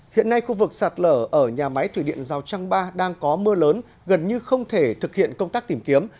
hiện nay khu vực sạt lở ở nhà máy thủy điện giao trang ba đang có mưa lớn gần như không thể thực hiện công tác tìm kiếm